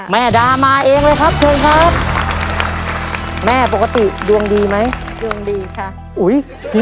แม่ดามาเองเลยครับเชิญครับแม่ปกติดวงดีไหมดวงดีค่ะอุ้ย